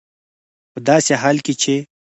په داسې حال کې چې